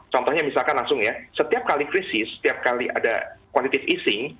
contohnya misalkan langsung ya setiap kali krisis setiap kali ada quantitive easing